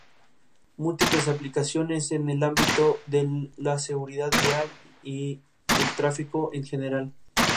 Sus ex-compañeros quedaron muy enfurecidos por su marcha y, sobre todo, por sus formas.